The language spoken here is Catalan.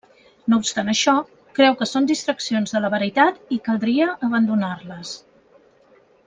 No obstant això, creu que són distraccions de la veritat i caldria abandonar-les.